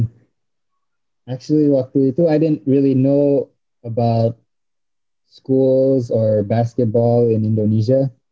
sebenarnya waktu itu gue gak tau banget tentang sekolah atau bola bola di indonesia